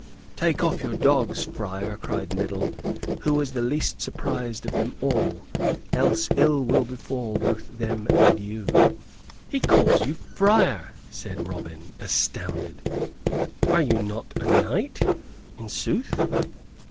"Take off your dogs, friar," cried Middle, who was the least surprised of them all, "else ill will befall both them and you." "He calls you friar," said Robin, astounded; "are you not a knight, in sooth?"